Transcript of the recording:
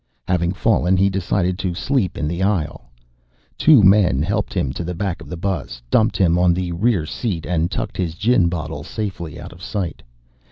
Having fallen, he decided to sleep in the aisle. Two men helped him to the back of the bus, dumped him on the rear seat, and tucked his gin bottle safely out of sight.